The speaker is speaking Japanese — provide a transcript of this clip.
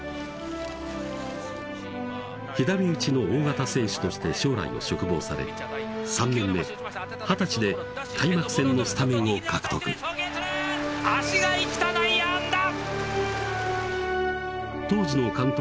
左打ちの大型選手として将来を嘱望され３年目二十歳で開幕戦のスタメンを獲得脚が生きた内野安打！